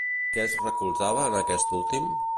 Què es recolzava en aquest últim?